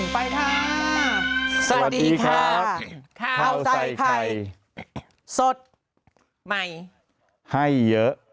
ไปค่ะสวัสดีค่ะข้าวใส่ไข่สดใหม่ให้เยอะ